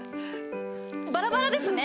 バラバラですね。